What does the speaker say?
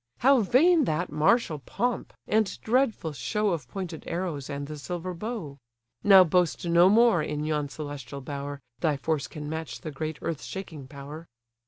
How vain that martial pomp, and dreadful show Of pointed arrows and the silver bow! Now boast no more in yon celestial bower, Thy force can match the great earth shaking power."